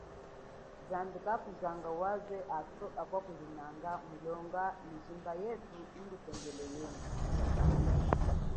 Zambi kakuzanga hatu akulinanga mumu mijimba yetu ili tembele yenyi.